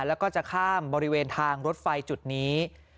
แล้วก็จะข้ามบริเวณทางรถไฟจุดนี้